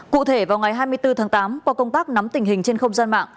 cụ thể vào ngày hai mươi bốn tháng tám qua công tác nắm tình hình trên không gian mạng